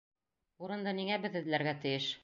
Урынды ниңә беҙ эҙләргә тейеш?